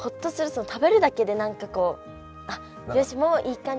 食べるだけで何かこう「あっよしもういい感じ！